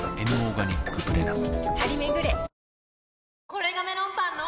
これがメロンパンの！